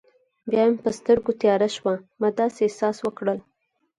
بیا مې پر سترګو تیاره شوه، ما داسې احساس وکړل.